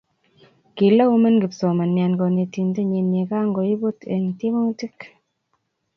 kilaumen kipsomanian konetinte nyiny ye kankoibut en tiemutich